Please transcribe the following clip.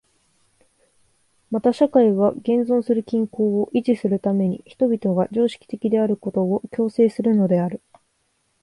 また社会は現存する均衡を維持するために人々が常識的であることを強制するのである。